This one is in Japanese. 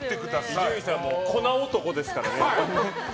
伊集院さんも粉男ですからね。